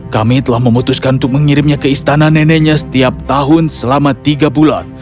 kami telah memutuskan untuk mengirimnya ke istana neneknya setiap tahun selama tiga bulan